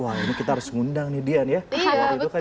wah ini kita harus ngundang nih dian ya